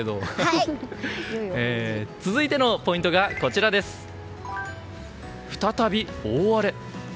続いてのポイントは再び大荒れ。